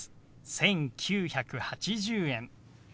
「１９８０円」。